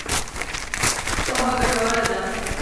پوهه ګټوره ده.